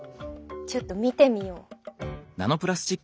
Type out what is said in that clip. ちょっと見てみよう。